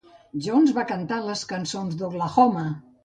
Jones va cantar les cançons Oklahoma!